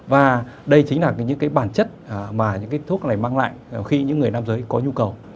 và đây chính là những cái bản chất mà những cái thuốc này mang lại khi những người nam giới có nhu cầu